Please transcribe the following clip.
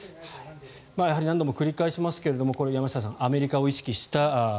やはり、何度も繰り返しますが山下さんアメリカを意識した。